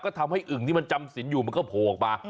ก็ทำให้อึ่งที่มันจำสินอยู่มันก็โผล่ออกมา